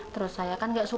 terus saya kan nggak tahu